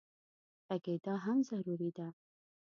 غږېدا هم ضروري ده.